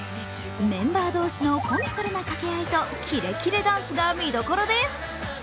メンバー同士のコミカルな掛け合いとキレキレダンスが見どころです。